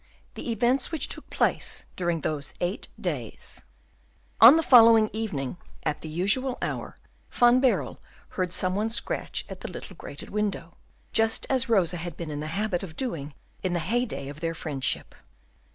The Events which took place during those Eight Days On the following evening, at the usual hour, Van Baerle heard some one scratch at the grated little window, just as Rosa had been in the habit of doing in the heyday of their friendship.